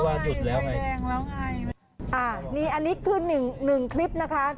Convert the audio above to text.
หยุดแล้วไงแจ้งแล้วไงอ่านี่อันนี้คือหนึ่งหนึ่งคลิปนะคะ